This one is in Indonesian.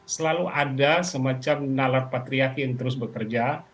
selalu ada semacam nalar patriarki yang terus bekerja